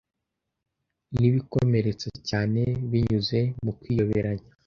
Nibikomeretsa cyane binyuze mu kwiyoberanya.